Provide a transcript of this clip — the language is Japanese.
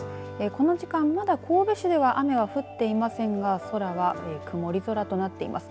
この時間、まだ神戸市では雨は降っていませんが空は曇り空となっています。